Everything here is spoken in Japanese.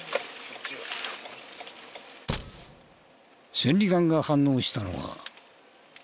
千里眼が反応したのは。